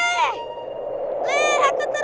le aku terbang le